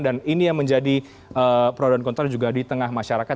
dan ini yang menjadi pro dan kontra juga di tengah masyarakat